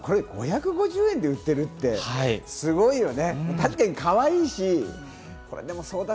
５５０円で売ってるってすごいな。